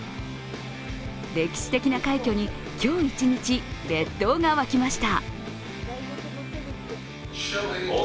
歴史的な快挙に今日一日、列島が沸きました。